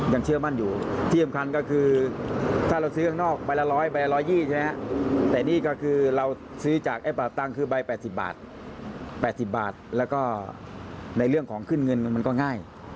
เชื่อมั่นอยู่ที่สำคัญก็คือถ้าเราซื้อข้างนอกใบละ๑๐๐ใบละ๑๒๐ใช่ไหมแต่นี่ก็คือเราซื้อจากไอ้ป่าตังคือใบ๘๐บาท๘๐บาทแล้วก็ในเรื่องของขึ้นเงินมันก็ง่าย